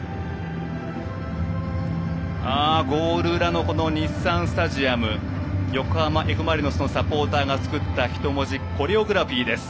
ゴール裏の日産スタジアム横浜Ｆ・マリノスのサポーターが作った人文字コレオグラフィーです。